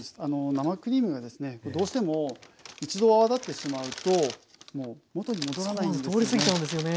生クリームがですねどうしても一度泡立ってしまうと元に戻らないんですね。